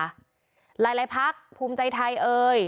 หลายพักธรรมศาสตร์ภูมิใจไทยเลย